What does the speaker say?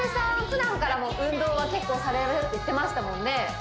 普段からも運動は結構されるって言ってましたもんね